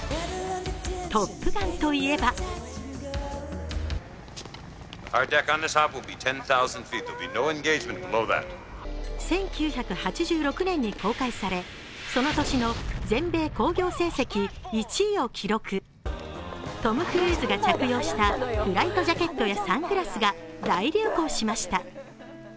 「トップガン」といえば１９８６年に公開され、その年の全米興行成績１位を記録トム・クルーズが着用したフライトジャケットやサングラスが大流行しました。